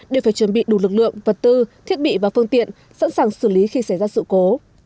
đều phải chuẩn bị đủ lực lượng vật tư thiết bị và phương tiện sẵn sàng xử lý khi xảy ra sự cố